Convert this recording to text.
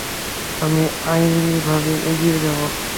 আমি আইনিভাবে এগিয়ে যাবো।